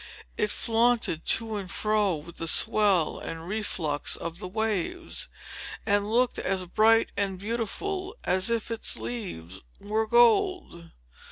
It flaunted to and fro with the swell and reflux of the waves, and looked as bright and beautiful as if its leaves were gold.